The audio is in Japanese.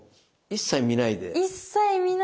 一切見ないで。